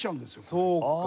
そうか。